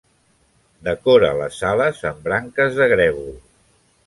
Decora les sales amb branques de grèvol.